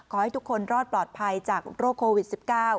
ขอให้ทุกคนรอดปลอดภัยจากโรคโควิด๑๙